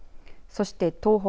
そして東北。